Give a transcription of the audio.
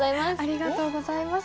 ありがとうございます。